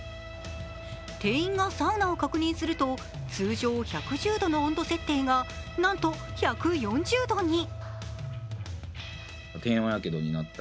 店員がサウナを確認すると通常１１０度の温度設定がなんと１４０度に。